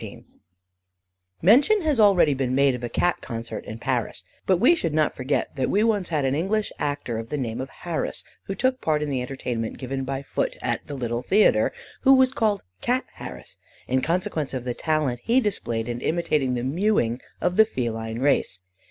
] Mention has already been made of a Cat concert in Paris, but we should not forget that we once had an English actor of the name of Harris, who took part in the entertainments given by Foote at "the little Theatre," who was called Cat Harris, in consequence of the talent he displayed in imitating the mewing of the feline race.